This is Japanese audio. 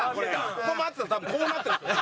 ここ回ってたら多分こうなってると思う。